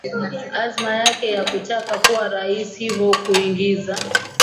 azma yake ya kutaka kuwa rais hivyo kuiingiza